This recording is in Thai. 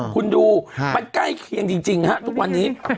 คุณดูมันใกล้เคียงจริงฮะทุกวันนี้